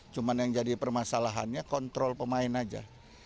cuma yang jadi permasalahannya kontrol pemain aja